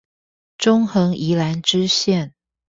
中橫宜蘭支線